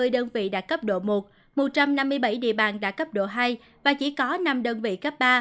một trăm năm mươi bảy địa bàn đã cấp độ một một trăm năm mươi bảy địa bàn đã cấp độ hai và chỉ có năm đơn vị cấp ba